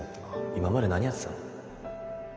今まで何やってたの？